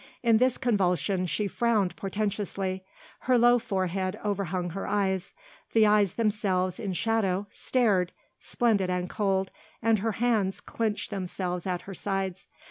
In this convulsion she frowned portentously; her low forehead overhung her eyes; the eyes themselves, in shadow, stared, splendid and cold, and her hands clinched themselves at her sides.